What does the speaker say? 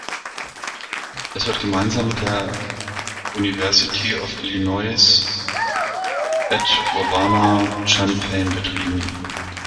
Es wird gemeinsam mit der University of Illinois at Urbana-Champaign betrieben.